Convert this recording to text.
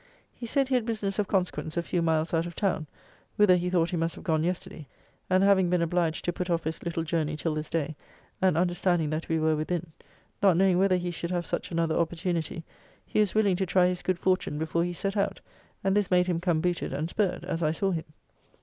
He said he had business of consequence a few miles out of town, whither he thought he must have gone yesterday, and having been obliged to put off his little journey till this day, and understanding that we were within, not knowing whether he should have such another opportunity, he was willing to try his good fortune before he set out; and this made him come booted and spurred, as I saw him.